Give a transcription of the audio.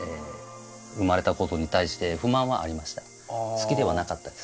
好きではなかったです